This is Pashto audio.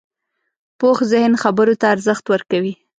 پوخ ذهن خبرو ته ارزښت ورکوي